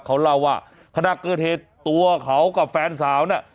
เขาเล่าว่าขณะเกิดเหตุตัวเขากับแฟนสาวน่ะ